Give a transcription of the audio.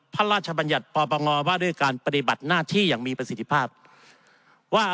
พระราชบรรยัตน์ปรบังงอว่า